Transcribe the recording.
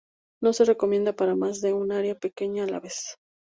No se recomienda para más de un área pequeña a la vez.